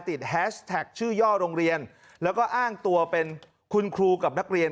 แฮชแท็กชื่อย่อโรงเรียนแล้วก็อ้างตัวเป็นคุณครูกับนักเรียน